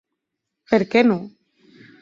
Per qué non?